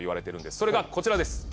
それがこちらです。